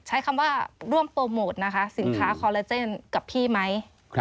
ใช้คำว่าร่วมโปรโมทนะคะสินค้าคอลลาเจนกับพี่ไหม